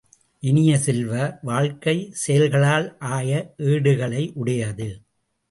இனிய செல்வ, வாழ்க்கை, செயல்களால் ஆய ஏடுகளை உடையது.